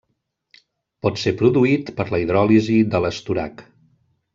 Pot ser produït per la hidròlisi de l'estorac.